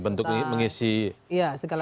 sebagai bentuk mengisi harinya begitu